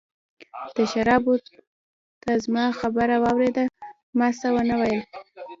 د شرابو، تا زما خبره واورېده، ما څه ونه ویل.